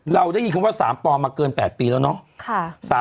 เราได้ยินคำว่า๓ปอมาเกิน๘ปีแล้วเนาะ